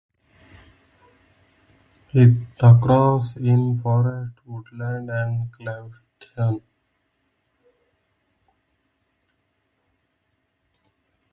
It occurs in forest, woodland and cultivation.